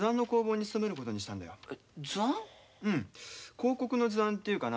広告の図案というかな